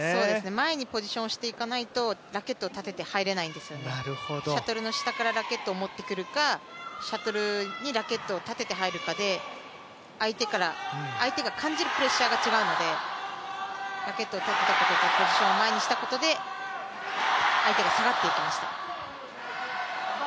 前にポジションしていかないと前にラケットを立てて入れないんですよね、シャトルの下からラケットを持ってくるかシャトルにラケットを立てて入るかで相手が感じるプレッシャーが違うのでラケットを立てたこととポジションを前にしたことで相手が下がっていきました。